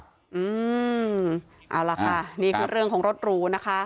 เอาล่ะค่ะนี่คือเรื่องของรถหรูนะคะ